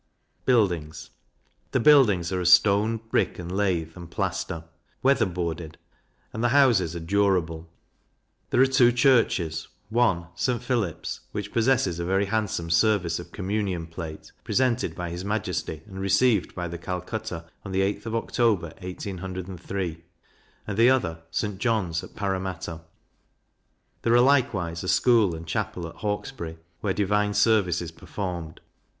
Buildings. The buildings are of stone, brick, and lath and plaister; weather boarded; and the houses are durable. There are two churches; one, St. Philip's, which possesses a very handsome service of communion plate, presented by his Majesty, and received by the Calcutta, on the 8th of October, 1803; and the other, St. John's, at Parramatta: There are likewise a school and chapel at Hawkesbury, where divine service is performed.